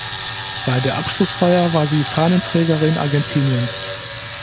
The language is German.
Bei der Abschlussfeier war sie Fahnenträgerin Argentiniens.